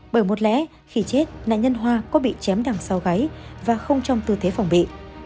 bởi một lẽ khi chết nạn nhân hoa có bị chém đằng sau gáy và không trong tư thế phòng bị